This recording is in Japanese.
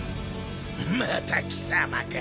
また貴様か。